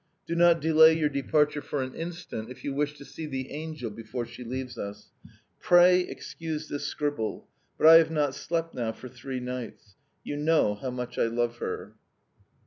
Do not delay your departure for an instant if you wish to see the angel before she leaves us. Pray excuse this scribble, but I have not slept now for three nights. You know how much I love her."